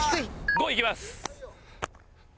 ５いきます！